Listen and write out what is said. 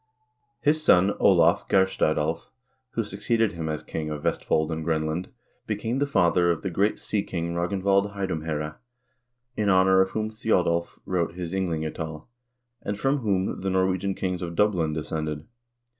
His son Olav Geirstad Alv, who succeeded him as king of Vestfold and Grenland, became the father of the great sea king Ragnvald Heidumhsere, in honor of whom Thjodolv wrote his "Ynglingatal," and from whom the Norwegian kings of Dublin descended.